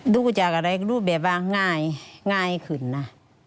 ดูจากอะไรก็รูปแบบว่าง่ายขึ้นนะ